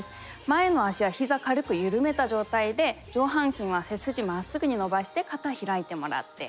前の足は膝軽く緩めた状態で上半身は背筋まっすぐに伸ばして肩開いてもらって。